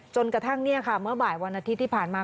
จนกระทั่งเนี่ยค่ะเมื่อบ่ายวันอาทิตย์ที่ผ่านมา